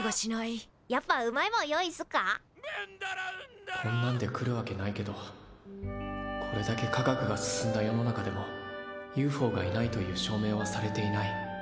心の声こんなんで来るわけないけどこれだけ科学が進んだ世の中でもＵＦＯがいないという証明はされていない。